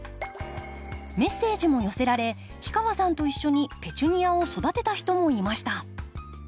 メッセージも寄せられ氷川さんと一緒にペチュニアを育てた人もいました。